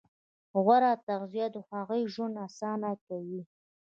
غوره تغذیه د هغوی ژوند اسانه کوي.